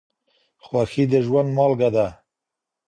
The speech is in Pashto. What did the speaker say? خوښي د ژوند مالګه ده.